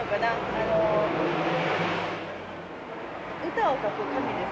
あの歌を書く紙です。